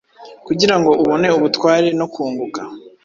Kugirango ubone ubutware nokunguka